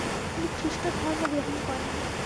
তিনি খ্রিস্টধর্ম গ্রহণ করেন।